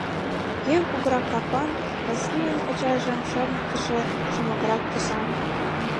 Еҥ кугурак капан, Василийын ачажым шарныктыше шемалгырак тӱсан.